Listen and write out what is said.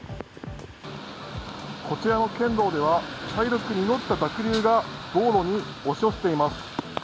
こちらの県道では、茶色く濁った濁流が道路に押し寄せています。